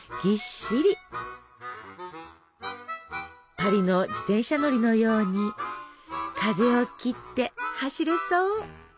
パリの自転車乗りのように風を切って走れそう！